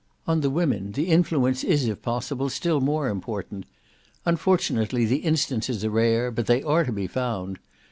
On the women, the influence is, if possible, still more important; unfortunately, the instances are rare, but they are to be found.